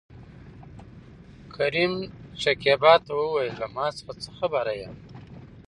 کريم شکيبا ته وويل ته له ما څخه څه خبره يې؟